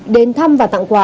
đến thăm và tặng quà